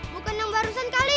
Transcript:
bukan yang barusan kali